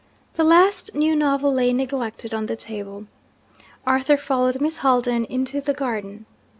The last new novel lay neglected on the table. Arthur followed Miss Haldane into the garden.